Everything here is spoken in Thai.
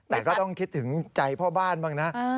แต่ก็ต้องคิดถึงใจพ่อบ้านบ้างนะ